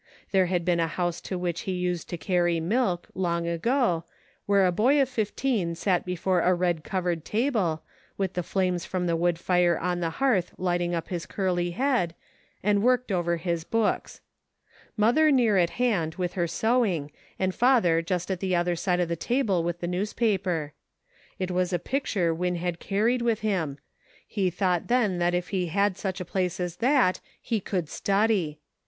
There had been a house to which he used to carry milk, long ago, where a boy of fifteen sat before a red covered table, with the flames from the wood fire on the hearth lighting up his curly head, and worked over his books ; mother near at hand with her sewing, and father just at the other side of the table with the newspaper. It was a picture Win had carried with him ; he thought then that CIRCLES. 133 if he had such a place as that he could study.